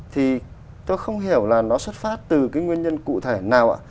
thì tôi không hiểu là nó xuất phát từ cái nguyên nhân cụ thể nào ạ